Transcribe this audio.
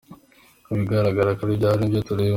Ibigaragara ko ari ibyaha nibyo tureba.